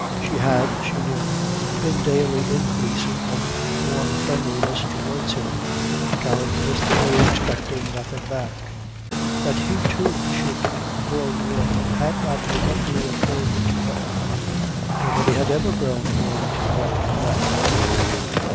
She had, she knew, been daily increasing in warm friendliness towards him, characteristically expecting nothing back. That he, too, should grow warm had not remotely occurred to her. Nobody had ever grown warm to her in that way.